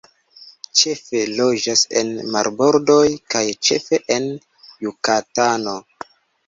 Ĉefe loĝas en marbordoj kaj ĉefe en Jukatano.